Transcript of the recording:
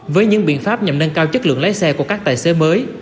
với những biện pháp nhằm nâng cao chất lượng lái xe của các tài xế mới